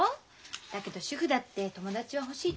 だけど主婦だって友達は欲しいと思うよ。